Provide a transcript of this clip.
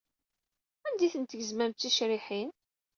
Anda ay ten-tgezmem d ticriḥin?